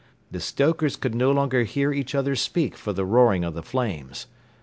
The stokers could no longer hear each other speak for the roaring of the flames.